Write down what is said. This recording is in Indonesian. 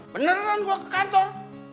beneran gue ke kantor